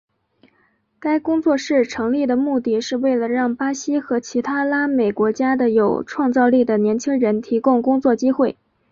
该工作室成立的目的是为了让巴西和其他拉美国家的有创造力的年轻人提供工作机会。